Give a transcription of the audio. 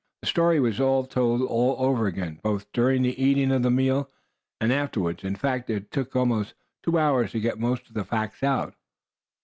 The story was all told over again, both during the eating of the meal, and afterwards. In fact it took almost two hours to get most of the facts out.